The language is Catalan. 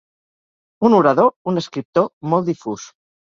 Un orador, un escriptor, molt difús.